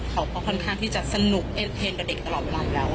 เขาก็ค่อนข้างที่จะสนุกเอ็นเทนกับเด็กตลอดเวลาอยู่แล้ว